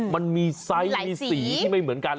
มันมีไซส์มีสีที่ไม่เหมือนกัน